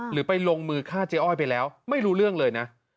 ไปลงมือฆ่าเจ๊อ้อยไปแล้วไม่รู้เรื่องเลยนะ